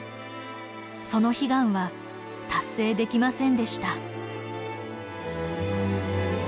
その悲願は達成できませんでした。